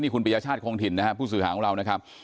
นี่คุณประยาชาติโครงถิ่นนะฮะผู้สื่อหาของเรานะครับ